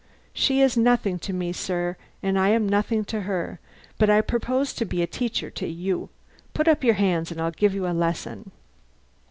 She is nothing to me, sir, and I am nothing to her, but I propose to be a teacher to you. Put up your hands and I'll give you a lesson!"